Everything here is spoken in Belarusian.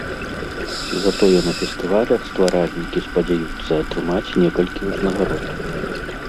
Затое на фестывалях стваральнікі спадзяюцца атрымаць некалькі ўзнагарод.